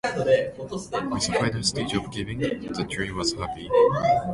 With this final stage of giving, "the Tree was happy".